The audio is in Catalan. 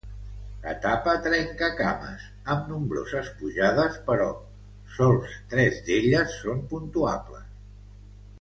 Etapa trencacames, amb nombroses pujades, però sols tres d'elles són puntuables.